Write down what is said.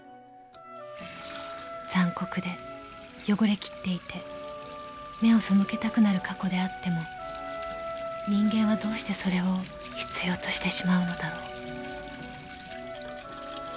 ［残酷で汚れきっていて目を背けたくなる過去であっても人間はどうしてそれを必要としてしまうのだろう］